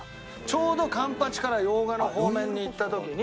ちょうど環八から用賀の方面に行った時に。